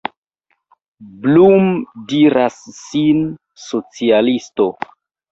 Blum diras sin socialisto.